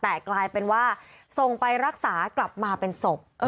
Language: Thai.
แต่กลายเป็นว่าส่งไปรักษากลับมาเป็นศพ